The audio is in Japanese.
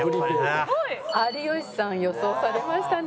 有吉さん予想されましたね。